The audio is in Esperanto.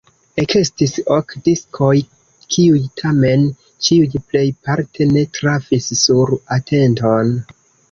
Ekestis ok diskoj, kiuj tamen ĉiuj plejparte ne trafis sur atenton.